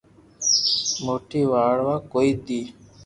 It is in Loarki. موئي وڙوا ڪوئي دي